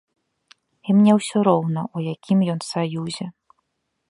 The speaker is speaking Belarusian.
І мне ўсё роўна, у якім ён саюзе.